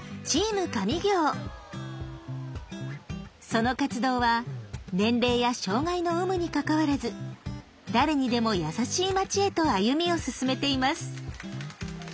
その活動は年齢や障害の有無にかかわらず誰にでも優しい町へと歩みを進めています。